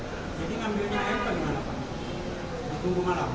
jadi ngambilnya air ke mana pak